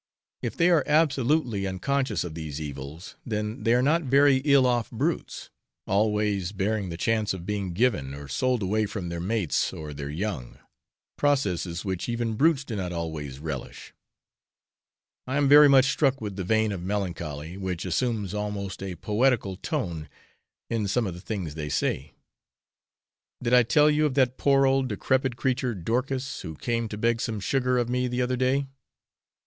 If they are absolutely unconscious of these evils, then they are not very ill off brutes, always barring the chance of being given or sold away from their mates or their young processes which even brutes do not always relish. I am very much struck with the vein of melancholy, which assumes almost a poetical tone in some of the things they say. Did I tell you of that poor old decrepid creature Dorcas, who came to beg some sugar of me the other day?